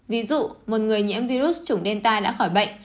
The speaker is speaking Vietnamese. ví dụ một người nhiễm virus chủng delta đã khỏi bệnh